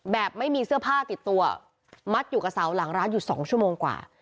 แบบไม่มีเสื้อผ้าติดตัวมัดอยู่กับเสาหลังร้านอยู่๒ชั่วโมงกว่า